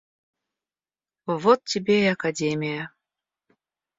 Вот тебе и академия!